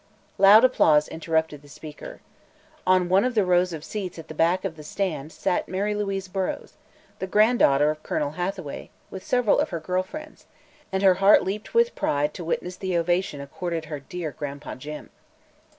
Loud applause interrupted the speaker. On one of the rows of seats at the back of the stand sat Mary Louise Burrows, the granddaughter of Colonel Hathaway, with several of her girl friends, and her heart leaped with pride to witness the ovation accorded her dear "Gran'pa Jim."